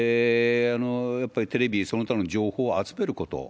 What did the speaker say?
やっぱりテレビその他の情報を集めること。